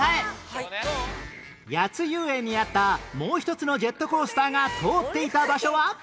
谷津遊園にあったもう一つのジェットコースターが通っていた場所は